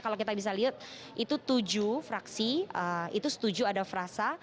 kalau kita bisa lihat itu tujuh fraksi itu setuju ada frasa